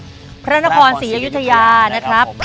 พระนครศรีอยุธยานะครับพระนครศรีอยุธยานะครับ